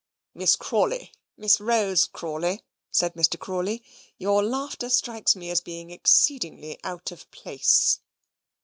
"Miss Crawley, Miss Rose Crawley," said Mr. Crawley, "your laughter strikes me as being exceedingly out of place."